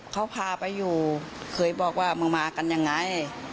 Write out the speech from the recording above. เขาพาไปอยู่เคยบอกว่ามึงมากันยังไง